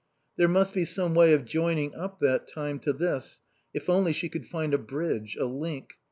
There must be some way of joining up that time to this, if only she could find a bridge, a link.